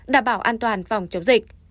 đảm bảo an toàn phòng